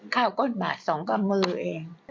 ข้าวก้นบาทสองกับมือเอง